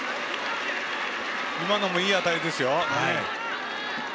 今のもいい当たりですよ。